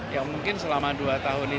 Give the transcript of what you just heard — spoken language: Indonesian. yang mungkin selama dua tahun ini